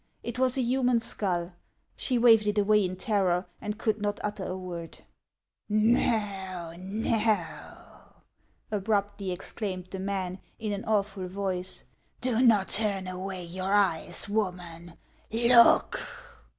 It was a human skull. She waved it away in terror, and could not utter a word. HANS OF ICELAND. 195 " No, no !" abruptly exclaimed the man, in an awful voice, " do not turn away your eyes, woman ; look.